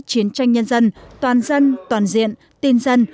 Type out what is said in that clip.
chiến tranh nhân dân toàn dân toàn diện tin dân